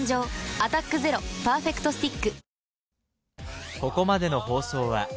「アタックＺＥＲＯパーフェクトスティック」